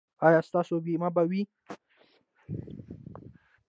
ایا ستاسو بیمه به وي؟